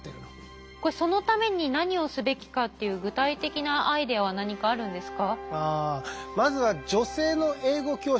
そのために何をすべきかっていう具体的なアイデアは何かあるんですか？